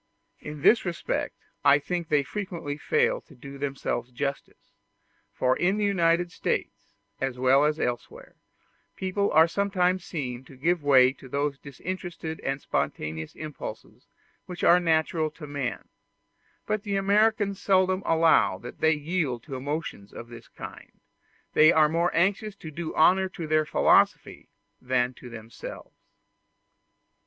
In this respect I think they frequently fail to do themselves justice; for in the United States, as well as elsewhere, people are sometimes seen to give way to those disinterested and spontaneous impulses which are natural to man; but the Americans seldom allow that they yield to emotions of this kind; they are more anxious to do honor to their philosophy than to themselves.